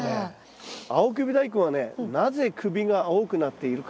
青首ダイコンはねなぜ首が青くなっているか。